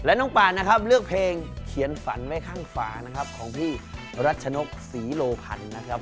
น้องปานนะครับเลือกเพลงเขียนฝันไว้ข้างฝานะครับของพี่รัชนกศรีโลพันธ์นะครับ